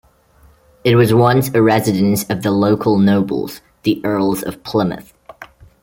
It was once a residence of the local nobles, the Earls of Plymouth.